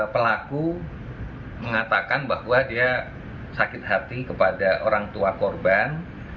pelaku mengatakan bahwa dia sakit hati kepada orang tua korban